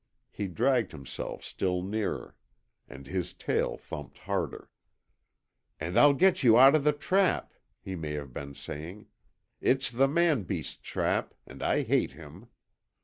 He dragged himself still nearer, and his tail thumped harder. "And I'll get you out of the trap," he may have been saying. "It's the man beast's trap and I hate him."